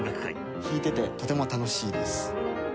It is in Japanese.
弾いててとても楽しいです。